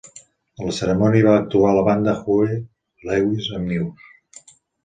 A la cerimònia va actuar la banda Huey Lewis and News.